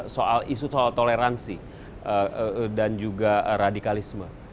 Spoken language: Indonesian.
soal isu soal toleransi dan juga radikalisme